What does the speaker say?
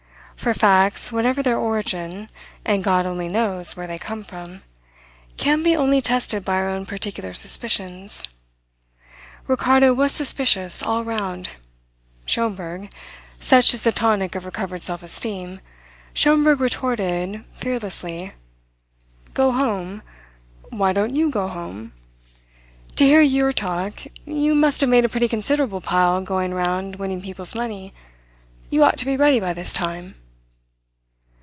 For facts, whatever their origin (and God only knows where they come from), can be only tested by our own particular suspicions. Ricardo was suspicious all round. Schomberg, such is the tonic of recovered self esteem, Schomberg retorted fearlessly: "Go home? Why don't you go home? To hear your talk, you must have made a pretty considerable pile going round winning people's money. You ought to be ready by this time."